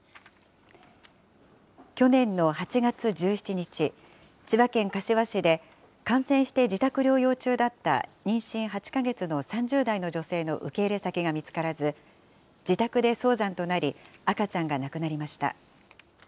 去年の８月１７日、千葉県柏市で感染して自宅療養中だった妊娠８か月の３０代の女性の受け入れ先が見つからず、自宅で早産となり、赤ちゃんが亡くなりました。